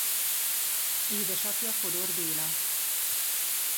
Édesapja Fodor Béla.